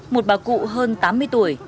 một bà cụ hơn tám mươi tuổi